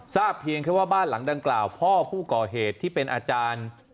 เพียงแค่ว่าบ้านหลังดังกล่าวพ่อผู้ก่อเหตุที่เป็นอาจารย์